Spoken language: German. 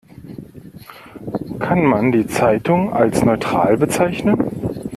Kann man die Zeitung als neutral bezeichnen?